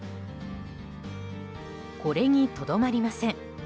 これにとどまりません。